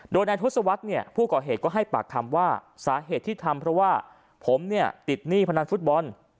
โดยนายทศวรรษเนี่ยผู้ก่อเหตุก็ให้ปากคำว่าสาเหตุที่ทำเพราะว่าผมเนี่ยติดหนี้พนันฟุตบอล